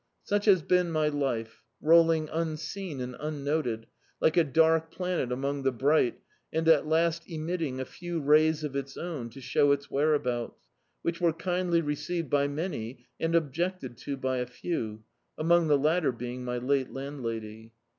Such has been my life, rolling unseen and un noted, like a dark planet among the bright, and at last emitting a few rays of its own to show its whereabouts, which were kindly received by many and objected to .by a few, among the latter being my late landlady.